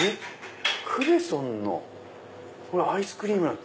クレソンのアイスクリームなんだ。